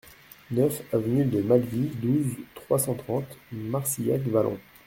neuf avenue de Malvies, douze, trois cent trente, Marcillac-Vallon